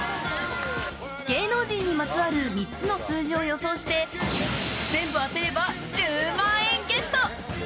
芸能人にまつわる３つの数字を予想して全部当てれば１０万円ゲット。